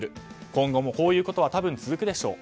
今後もこういうことは多分続くでしょう。